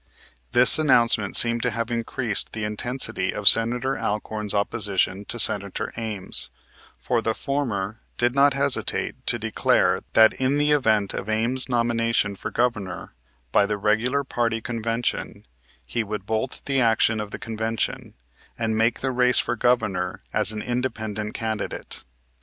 This announcement seemed to have increased the intensity of Senator Alcorn's opposition to Senator Ames, for the former did not hesitate to declare that in the event of Ames' nomination for Governor by the regular party convention he would bolt the action of the convention, and make the race for Governor as an independent candidate.